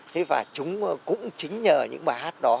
thế và chúng cũng chính nhờ những bài hát đó